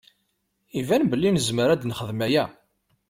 Iban belli nezmer ad nexdem aya.